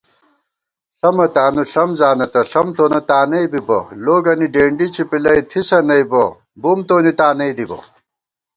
ݪَمہ تانُو ݪَم زانہ تہ ݪَم تونہ تانئ بِبَہ * لوگَنی ڈېنڈی چِپِلَئ تھِسہ نئیبہ بُم تونی تانئ دِبہ